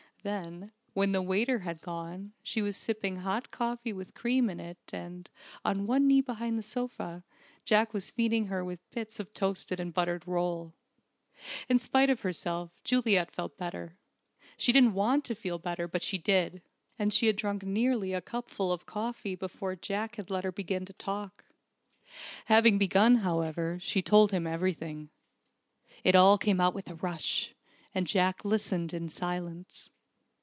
Then, when the waiter had gone, she was sipping hot coffee with cream in it and (on one knee beside the sofa) Jack was feeding her with bits of toasted and buttered roll. In spite of herself, Juliet felt better. She didn't want to feel better, but she did! And she had drunk nearly a cupful of coffee before Jack let her begin to talk. Having begun, however, she told him everything. It all came out with a rush, and Jack listened in silence.